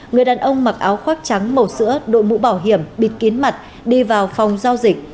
người đàn ông mặc áo khoác trắng màu sữa đội mũ bảo hiểm bịt kín mặt đi vào phòng giao dịch